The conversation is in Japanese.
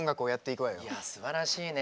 いやすばらしいね